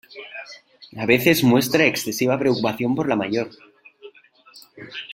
A veces muestra excesiva preocupación por la mayor.